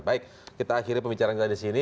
baik kita akhiri pembicaraan kita disini